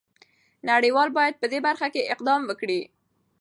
نړۍ وال باید په دې برخه کې اقدام وکړي.